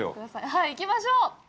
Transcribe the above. はい、行きましょう。